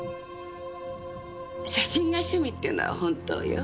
写真が趣味っていうのは本当よ。